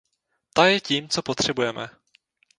Ta je tím, co potřebujeme.